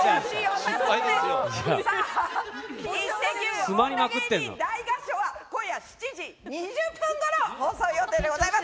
女芸人大合唱は今夜７時２０分ごろ放送予定でございます。